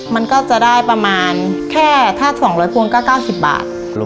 มันก็จะได้ประมาณแค่ถ้า๒๐๐พวงก็๙๐บาท